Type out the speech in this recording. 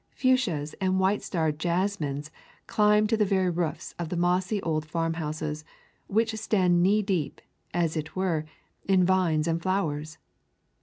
Fuchsias and white starred jessamines climb to the very roofs of the mossy old farm houses, which stand knee deep, as it were, in vines and flowers.